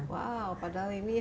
wow padahal ini harus